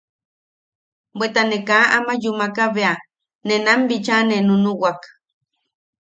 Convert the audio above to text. Bweta ne kaa ama yumaka bea, ne nam bicha ne nunuwak.